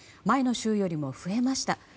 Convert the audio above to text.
前の週よりも増えました。